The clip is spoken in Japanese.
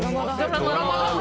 ドラマだ。